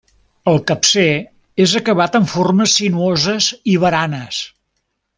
El capcer és acabat en formes sinuoses i baranes.